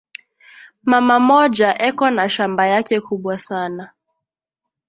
Mama moja eko na shamba yake kubwa sana